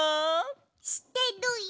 してるよ！